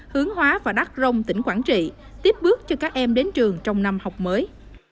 hướng hóa và đắc rông tỉnh quảng trị tiếp bước cho các em đến trường trong năm học mới